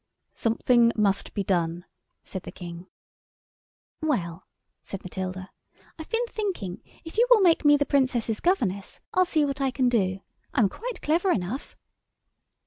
"Something must be done," said the King. "Well," said Matilda, "I've been thinking if you will make me the Princess's governess, I'll see what I can do. I'm quite clever enough."